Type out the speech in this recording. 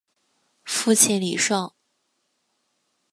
父亲李晟。